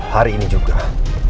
hari ini juga